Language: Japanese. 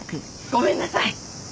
ごめんなさい！